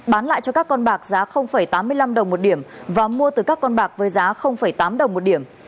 bán lại cho các con bạc giá tám mươi năm đồng một điểm và mua từ các con bạc với giá tám đồng một điểm